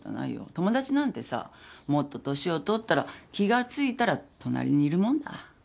友達なんてさもっと年を取ったら気が付いたら隣にいるもんだ。